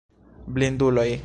Blinduloj!